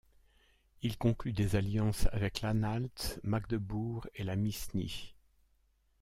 Il conclut des alliances avec l’Anhalt, Magdebourg et la Misnie.